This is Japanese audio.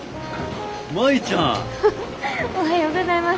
フフおはようございます。